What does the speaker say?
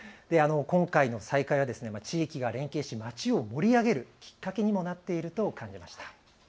今回の再開は地域が連携し町を盛り上げるきっかけにもなっていると感じました。